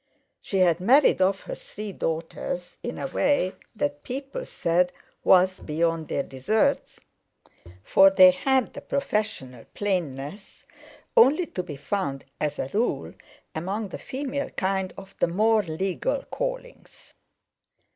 She had married off her three daughters in a way that people said was beyond their deserts, for they had the professional plainness only to be found, as a rule, among the female kind of the more legal callings.